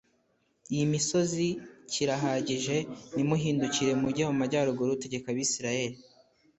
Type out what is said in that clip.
Iyi misozi kirahagije nimuhindukire mujye mu majyaruguru tegeka abisirayeli